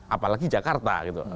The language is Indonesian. apalagi jakarta gitu